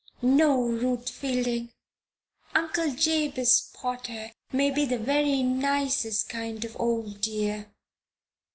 "No, Ruth Fielding! Uncle Jabez Potter may be the very nicest kind of an old dear.